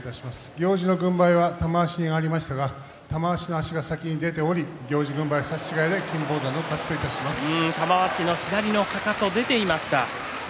行司の軍配は玉鷲に上がりましたが玉鷲が先に出ており行司軍配差し違えで玉鷲の左の足が出ていました。